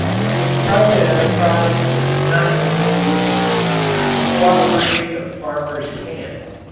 If private enterprise does not yield these means, the cooperation of farmers can.